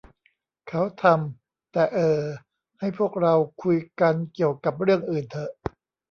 เขาทำ แต่ เอ่อ ให้พวกเราคุยกันเกี่ยวกับเรื่องอื่นเถอะ